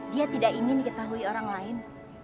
dia tidak ingin diketahui orang lain